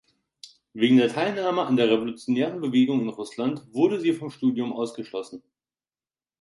Wegen der Teilnahme an der revolutionären Bewegung in Russland wurde sie vom Studium ausgeschlossen.